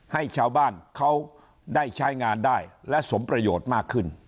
ให้ชาวบ้านเขาได้ใช้งานได้และสมประโยชน์มากขึ้น